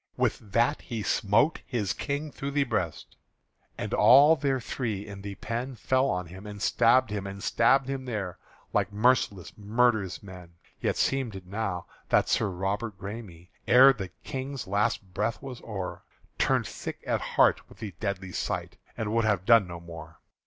With that he smote his King through the breast; And all they three in the pen Fell on him and stabbed and stabbed him there Like merciless murderous men Yet seemed it now that Sir Robert Græme, Ere the King's last breath was o'er, Turned sick at heart with the deadly sight And would have done no more.